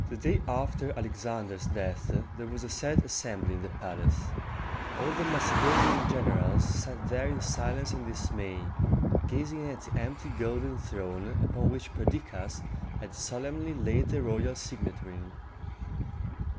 The day after Alexander's death there was a sad assembly in the palace. All the Macedonian generals sat there in silence and dismay, gazing at the empty golden throne, upon which Perdiccas had solemnly laid the royal signet ring.